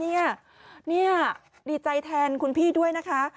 นี่ดีใจแทนคุณพี่ด้วยนะคะ